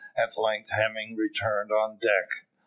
At length Hemming returned on deck.